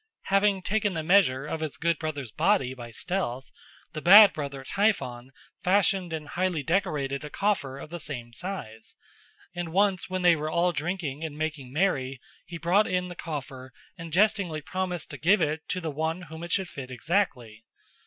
Having taken the measure of his good brother's body by stealth, the bad brother Typhon fashioned and highly decorated a coffer of the same size, and once when they were all drinking and making merry he brought in the coffer and jestingly promised to give it to the one whom it should fit exactly.